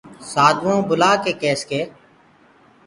سآڌوآئوٚنٚ بُلآڪي پوٚڇس۔ ڪي